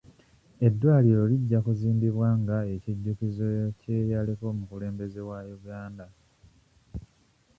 Eddwaliro lijja kuzimbibwa nga ekijjukizo ky'eyaliko omukulembeze wa Uganda.